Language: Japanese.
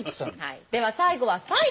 では最後は埼玉の。